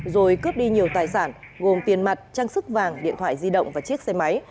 rồi cướp đi nhiều tài sản gồm tiền mặt trang sức vàng điện thoại di động và chiếc xe máy